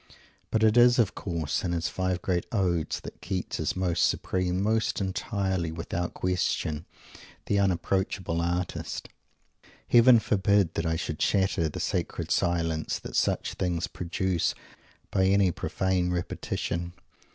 But it is, of course, in his five great Odes, that Keats is most supreme, most entirely, without question, the unapproachable artist. Heaven forbid that I should shatter the sacred silence that such things produce, by any profane repetition!